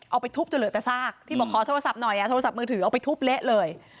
เอาไปทุบจนเหลือแต่ซากที่บอกขอโทรศัพท์หน่อยเอาโทรศัพท์มือถือเอาไปทุบเละเลย